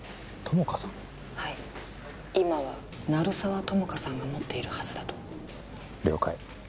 ☎はい今は鳴沢友果さんが持っているはずだと了解